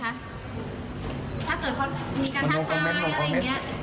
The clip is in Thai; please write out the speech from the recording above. ถ้าเกิดคนมีการตรายอะไรอย่างนี้